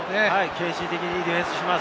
献身的なディフェンスをします。